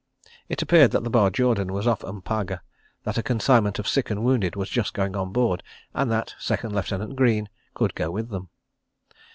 It appeared that the Barjordan was off M'paga, that a consignment of sick and wounded was just going on board, and that Second Lieutenant Greene could go with them.